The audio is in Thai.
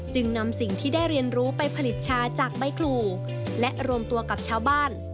จึงนำสิ่งที่ได้เรียนรู้ไปผลิตชาจากใบครูและรวมตัวกับชาวบ้าน